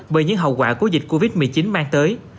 bởi những hậu quả của dịch covid một mươi chín mang tới